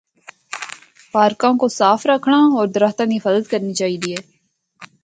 پارکاں کو صاف رکھنڑا ہور درختاں دی حفاظت کرنی چاہے دی ہے۔